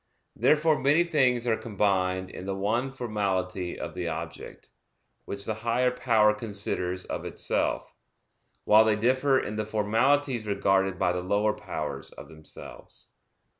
Therefore many things are combined in the one formality of the object, which the higher power considers of itself; while they differ in the formalities regarded by the lower powers of themselves.